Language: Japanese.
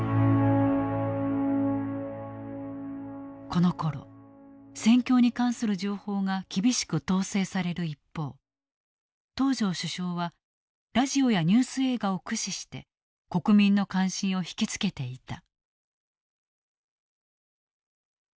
このころ戦況に関する情報が厳しく統制される一方東條首相はラジオやニュース映画を駆使して国民の関心を引き付けていた。